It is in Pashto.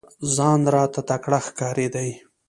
ځان راته تکړه ښکارېدی !